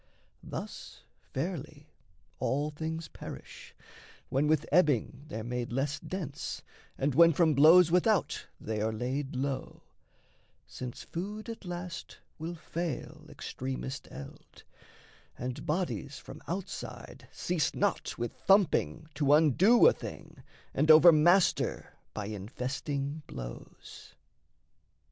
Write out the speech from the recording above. Thus, fairly, all things perish, when with ebbing They're made less dense and when from blows without They are laid low; since food at last will fail Extremest eld, and bodies from outside Cease not with thumping to undo a thing And overmaster by infesting blows.